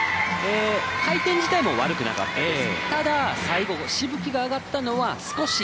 回転自体も悪くなかったです。